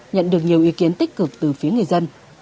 nhận được nhiều ý kiến tích cực từ phía người dân